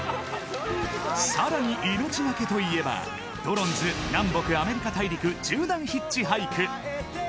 さらに命懸けといえば、ドロンズ、南北アメリカ大陸縦断ヒッチハイク。